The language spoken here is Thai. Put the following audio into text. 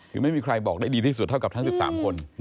คือไม่มีใครบอกได้ดีที่สุดเท่ากับทั้ง๑๓คน